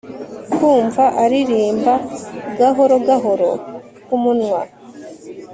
Kumva aririmba gahoro gahoro kumunwa